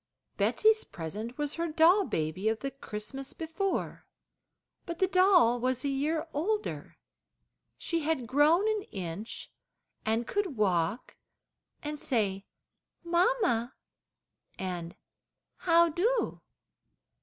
Betsey's present was her doll baby of the Christmas before; but the doll was a year older. She had grown an inch, and could walk and say, "mamma," and "how do?"